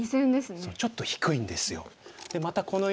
そうちょっと低いんですよ。